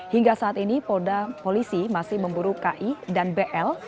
hingga saat ini polisi masih memburu ki dan bl